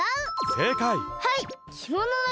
せいかい！